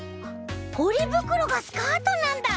ポリぶくろがスカートなんだ！